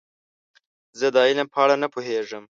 زه د علم په اړه نه پوهیږم.